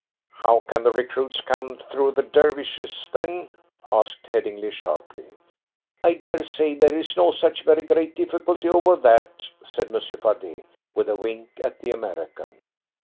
"How can the recruits come through the Dervishes, then?" asked Headingly sharply. "I dare say there is no such very great difficulty over that," said Monsieur Fardet, with a wink at the American.